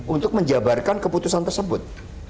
untuk menjabarkan keputusan tersebut